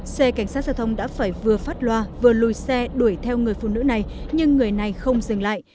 xe cảnh sát giao thông đã phải vừa phát loa vừa lùi xe đuổi theo người phụ nữ này nhưng người này không dừng lại